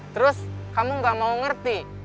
terus kamu gak mau ngerti